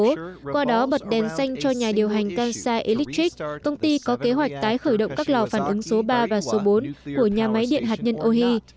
sau đó bật đèn xanh cho nhà điều hành kansai electric công ty có kế hoạch tái khởi động các lò phản ứng số ba và số bốn của nhà máy điện hạt nhân ohi